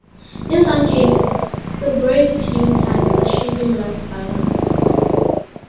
In some cases, sobriety implies achieving "life balance".